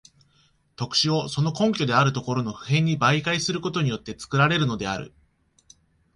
特殊をその根拠であるところの普遍に媒介することによって作られるのである。